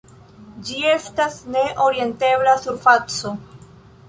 Ĝi estas ne-orientebla surfaco.